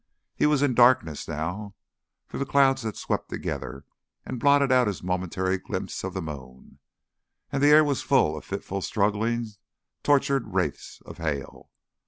He was in darkness now, for the clouds had swept together and blotted out his momentary glimpse of the moon, and the air was full of fitful struggling tortured wraiths of hail.